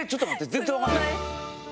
全然わかんない。